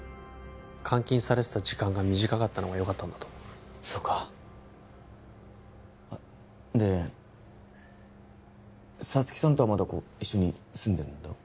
監禁されてた時間が短かったのがよかったんだと思うそうかあっで沙月さんとはまだ一緒に住んでるんだろ？